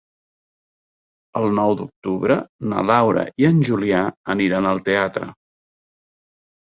El nou d'octubre na Laura i en Julià aniran al teatre.